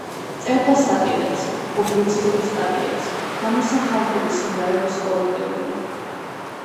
წერდა სატირებს, პუბლიცისტურ სტატიებს; გამოსცა ხალხური სიმღერების ორი კრებული.